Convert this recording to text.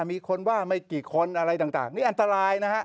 มีคนว่าไม่กี่คนอะไรต่างนี่อันตรายนะฮะ